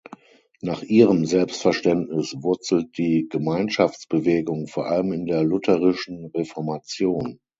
Nach ihrem Selbstverständnis wurzelt die Gemeinschaftsbewegung vor allem in der lutherischen Reformation.